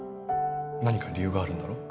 何か理由があるんだろ？